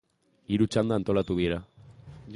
Hiru txanda antolatu dira.